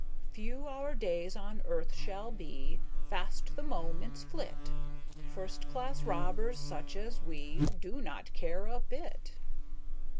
Few our days on earth shall be, Fast the moments flit; First class robbers such as we Do not care a bit!